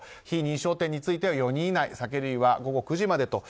非認証店については４人以内酒類は午後９時まで。